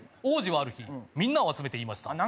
王子はある日みんなを集めて言いました